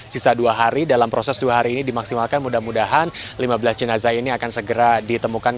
sisa dua hari dalam proses dua hari ini dimaksimalkan mudah mudahan lima belas jenazah ini akan segera ditemukan